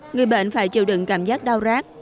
người bệnh phải chịu đựng cảm giác đau rác